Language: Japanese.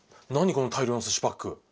この大量のすしパック。